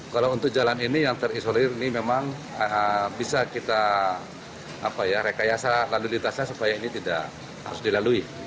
kalau untuk jalan ini yang terisolir ini memang bisa kita rekayasa lalu lintasnya supaya ini tidak harus dilalui